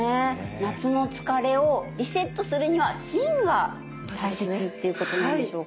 夏の疲れをリセットするには「心」が大切っていうことなんでしょうか。